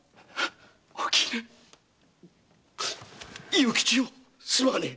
勇吉よすまねえ。